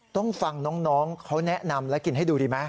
ต้องฟังน้องเขาแนะนำและกินให้ดูดีไหม